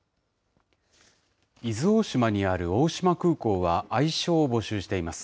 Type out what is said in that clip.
伊豆大島にある大島空港は、愛称を募集しています。